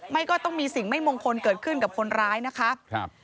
ก็ต้องมีสิ่งไม่มงคลเกิดขึ้นกับคนร้ายนะคะครับ